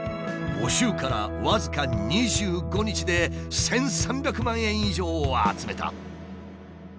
募集から僅か２５日で１，３００万円以上を集めた。